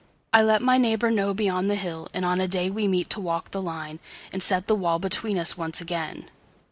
I let my neighbour know beyond the hill; And on a day we meet to walk the lineAnd set the wall between us once again.